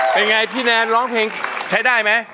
เป็นไงพี่แนนร้องเพลงใช้ได้ไหม